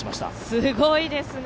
すごいですね。